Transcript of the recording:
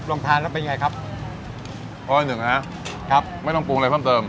ลองทานแล้วเป็นไงครับข้อที่หนึ่งนะครับไม่ต้องปรุงอะไรเพิ่มเติม